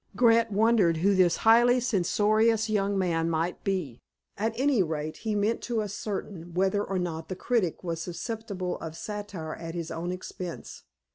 Grant wondered who this highly censorious young man might be. At any rate, he meant to ascertain whether or not the critic was susceptible of satire at his own expense.